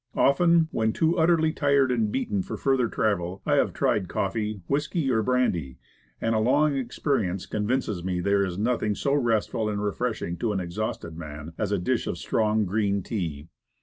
Often, when too utterly tired and beaten for further travel, I have tried coffee, whisky or brandy, and a long experience convinces me that there is nothing so restful and refreshing to an exhausted man as a dish of strong, green tea.